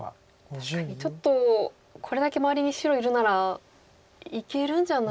確かにちょっと「これだけ周りに白いるならいけるんじゃない？」